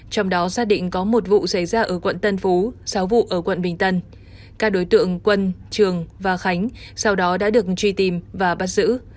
trong đó xác định có một vụ xảy ra ở quận tân phú sáu vụ ở quận bình tân các đối tượng quân trường và khánh sau đó đã được truy tìm và bắt giữ